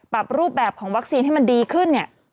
ปรับรูปแบบของวัคซีนให้มันดีขึ้นเนี่ย